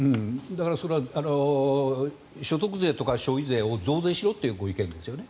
だから、それは所得税とか消費税を増税しろというご意見ですよね。